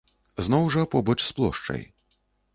Зноў жа, побач з плошчай.